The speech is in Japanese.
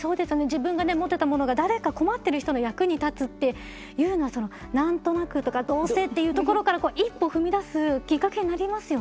自分が持ってたものが誰か困ってる人の役に立つっていうのはなんとなくとかどうせっていうところから一歩踏み出すきっかけになりますよね。